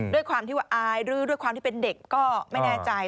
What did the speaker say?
ด้วยความที่ว่าอายที่เป็นเด็กก็ไม่แน้ใจ